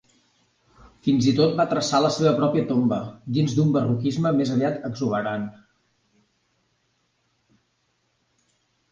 Fins i tot va traçar la seva pròpia tomba, dins d'un barroquisme més aviat exuberant.